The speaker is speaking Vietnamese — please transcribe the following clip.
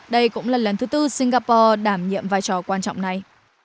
đây cũng là lần thứ tư singapore đảm nhiệm vai trò quan trọng này